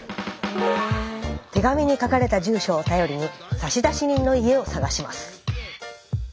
手紙に書かれた住所を頼りに差出人の家を探します。